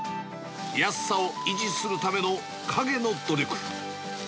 安さを維持するための陰の努力。